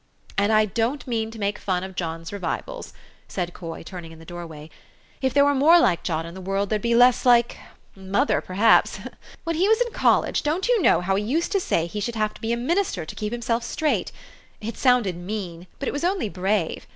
"And I don't mean to make fun of John's revivals," said Coy, turning in the doorway. "If there were more like John in the world, there'd be less like mother, perhaps. When he was in col lege, don't you know how he used to say he should have to be a minister to keep himself straight ? It sounded mean ; but it was only brave.